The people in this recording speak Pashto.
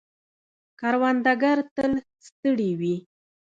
کروندگر تل ستړي وي.